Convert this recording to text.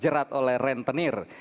jelat oleh rentenir